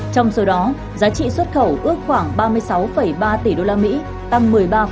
trong số đó giá trị xuất khẩu ước khoảng ba mươi sáu ba tỷ usd tăng một mươi ba